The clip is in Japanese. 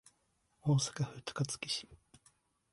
大阪府高槻市